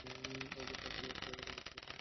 ও বেকার হলেও পুরো দেশব্যপি চষে বেরিয়েছে!